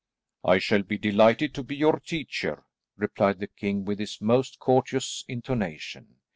"I shall be delighted to be your teacher," replied the king with his most courteous intonation.